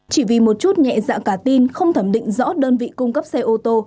chỉ vì một chút nhẹ dạ cả tin không thẩm định rõ đơn vị cung cấp xe ô tô